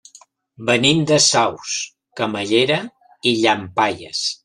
Venim de Saus, Camallera i Llampaies.